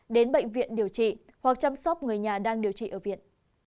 đến bệnh viện điều trị hoặc chăm sóc người nhà đang điều trị ở viện